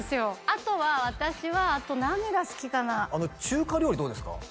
あとは私はあと何が好きかな中華料理どうですか？